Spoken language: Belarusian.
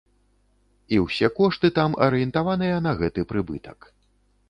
І ўсе кошты там арыентаваныя на гэты прыбытак.